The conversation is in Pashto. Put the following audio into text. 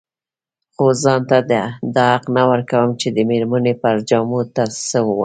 خو ځان ته دا حق نه ورکوم چې د مېرمنې پر جامو څه ووايم.